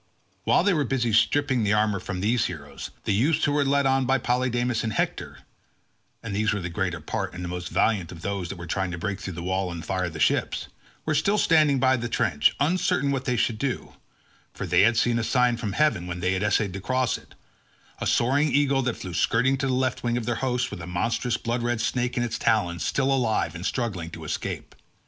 While they were busy stripping the armour from these heroes, the youths who were led on by Polydamas and Hector (and these were the greater part and the most valiant of those that were trying to break through the wall and fire the ships) were still standing by the trench, uncertain what they should do; for they had seen a sign from heaven when they had essayed to cross it—a soaring eagle that flew skirting the left wing of their host, with a monstrous blood red snake in its talons still alive and struggling to escape.